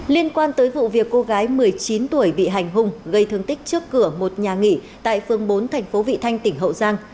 liên quan tới vụ việc cô gái một mươi chín tuổi bị hành hung gây thương tích trước cửa một nhà nghỉ tại phương bốn thành phố vị thanh tỉnh hậu giang